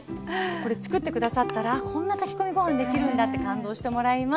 これ作って下さったらこんな炊き込みご飯できるんだって感動してもらえます。